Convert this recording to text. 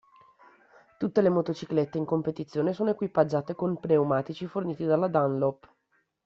Tutte le motociclette in competizione sono equipaggiate con pneumatici forniti dalla Dunlop.